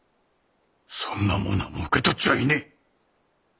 そんなものは受け取っちゃいねえ。